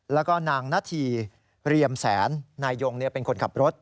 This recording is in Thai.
แล้วก็นางนาธีเรียมแสนนายยงเป็นคนขับรถ